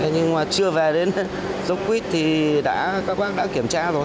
nhưng mà chưa về đến dốc quýt thì đã các bác đã kiểm tra rồi